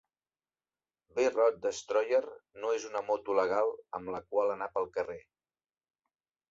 V-Rod Destroyer no és una moto legal amb la qual anar pel carrer.